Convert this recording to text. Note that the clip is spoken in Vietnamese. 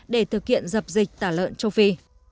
để thực hiện dập dịch tả lợn châu phi